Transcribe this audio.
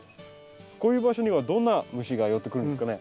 こういう場所にはどんな虫が寄ってくるんですかね？